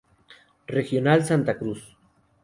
Regional Santa Cruz.